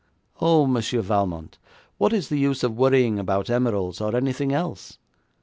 Oh, Monsieur Valmont, what is the use of worrying about emeralds or anything else?